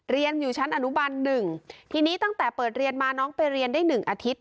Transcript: เรียนอยู่ชั้นอนุบันหนึ่งทีนี้ตั้งแต่เปิดเรียนมาน้องไปเรียนได้หนึ่งอาทิตย